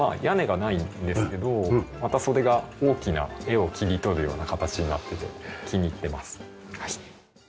屋根がないんですけどまたそれが大きな絵を切り取るような形になってて気に入ってます。